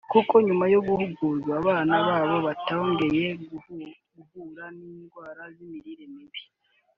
kuko nyuma yo guhugurwa abana babo batongeye guhura n’indwara ziterwa n’imirire mibi